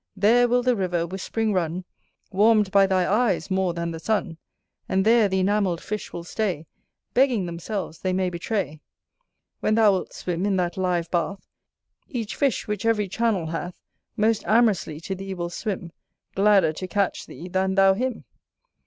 There will the river whisp'ring run, Warm'd by thy eyes more than the sun And there the enamel'd fish will stay Begging themselves they may betray. When thou wilt swim in that live bath, Each fish, which every channel hash, Most amorously to thee will swim, Gladder to catch thee, than thou him.